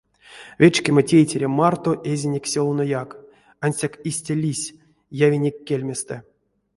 Вечкема тейтерем марто эзинек сёвнояк, ансяк истя лиссь — явинек кельместэ.